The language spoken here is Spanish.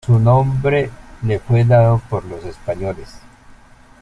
Su nombre le fue dado por los españoles.